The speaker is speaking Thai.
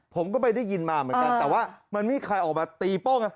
ผมก็ไปได้ยินมาเหมือนกันแต่ว่ามันไม่มีใครออกมาตีโป้ง